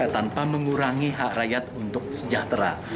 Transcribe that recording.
tanpa mengurangi hak rakyat untuk sejahtera